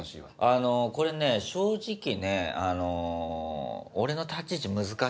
あのこれね正直ね俺の立ち位置難しいんすよ。